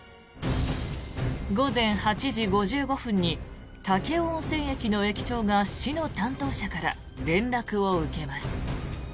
午前８時５５分に武雄温泉駅の駅長が市の担当者から連絡を受けます。